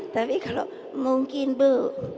tapi kalau mungkin bu